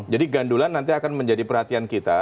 gandulan nanti akan menjadi perhatian kita